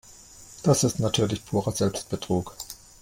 Das ist natürlich purer Selbstbetrug.